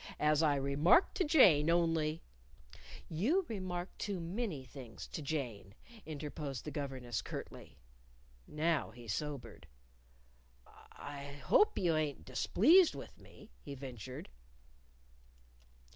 As I remarked to Jane only " "You remark too many things to Jane," interposed the governess, curtly. Now he sobered. "I hope you ain't displeased with me," he ventured.